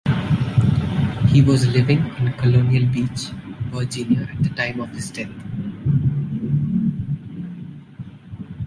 He was living in Colonial Beach, Virginia at the time of his death.